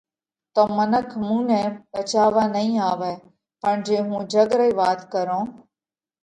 تو منک مُونئہ ڀچاوا نئين آوئہ، پڻ جي هُون جڳ رئِي وات ڪرون